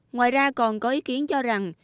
ngoài ra còn có ý kiến cho rằng